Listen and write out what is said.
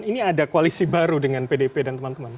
ini ada koalisi baru dengan pdip dan teman teman